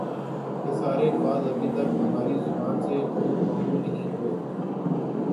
یہ سارے الفاظ ابھی تک ہماری زبان سے محو نہیں ہوئے ۔